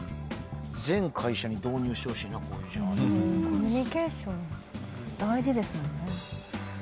コミュニケーション大事ですもんね。